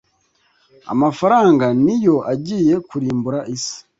Amafaranga niyo agiye kurimbura isi